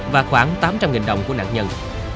và khoảng tám trăm linh đồng của nạn nhân